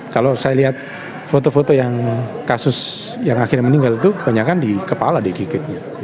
kalau saya lihat foto foto yang kasus yang akhirnya meninggal itu kebanyakan di kepala digigit